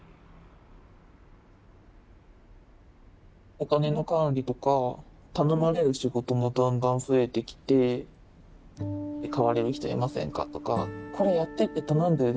お金の管理とか頼まれる仕事もだんだん増えてきて「代われる人いませんか？」とか「これやってって頼んだよね？